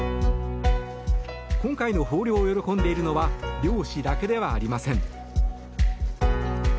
今回の豊漁を喜んでいるのは漁師だけではありません。